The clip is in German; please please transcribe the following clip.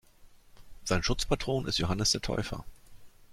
Sein Schutzpatron ist Johannes der Täufer.